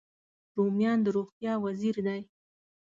رومیان د روغتیا وزیر دی